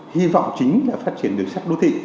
hy vọng chính là phát triển đường sắt đô thị